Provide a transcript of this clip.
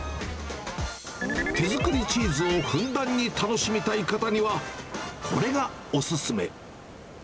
手作りチーズをふんだんに楽しみたい方には、これがお勧め。